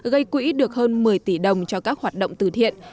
gây quỹ được hơn một mươi tỷ đồng cho các hoạt động từ thiện